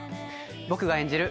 僕が演じる宇良